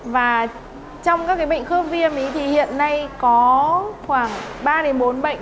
và trong các bệnh khơm viêm thì hiện nay có khoảng ba đến bốn bệnh